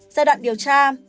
giai đoạn điều tra